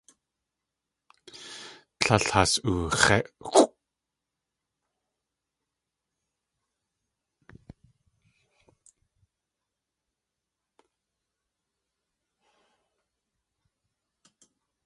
Tlél has ux̲éxʼw.